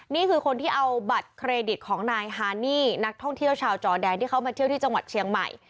นี่คือคนที่เอาบัตรเครดิตของนายฮานี่นักท่องเที่ยวชาวจอแดนที่เขามาเที่ยวที่จังหวัดเชียงใหม่